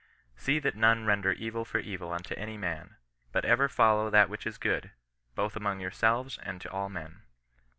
See that none render evil for evil unto any man ; but ever follow that which is good, both among yourselves and to all men."